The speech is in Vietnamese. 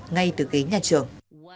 ngay từ ghế nhà trường